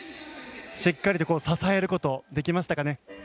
しっかりと支えることできましたかね。